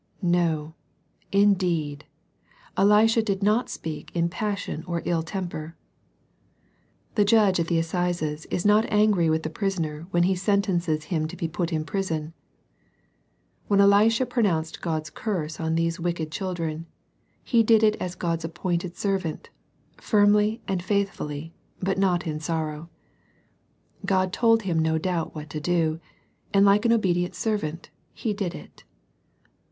No, indeed ! Elisha did not speak in passion or ill temper. The Judge at the Assizes is not angry with the prisoner when he sentences him to be put in prison. When Elisha pronounced God's curse on these wicked children, he did it as God's appointed servant, firmly and faithfully, but in sorrow. God told him no doubt what to do, and like an obedient servant, he did it.